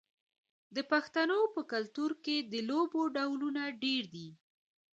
د پښتنو په کلتور کې د لوبو ډولونه ډیر دي.